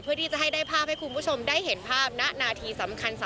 เพื่อที่จะให้ได้ภาพให้คุณผู้ชมได้เห็นภาพณนาทีสำคัญ